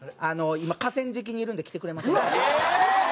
「今河川敷にいるんで来てくれませんか？」。